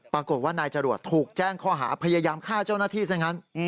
ปรากฏว่านายจรวดถูกแจ้งข้อหาพยายามฆ่าเจ้าหน้าที่ซะงั้น